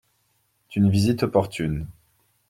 D'une visite opportune.